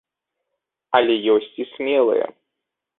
Але ёсць і смелыя.